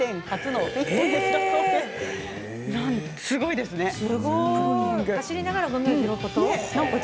すごいですね。